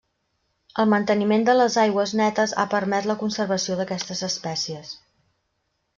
El manteniment de les aigües netes ha permès la conservació d'aquestes espècies.